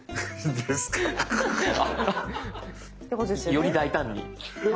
より大胆に。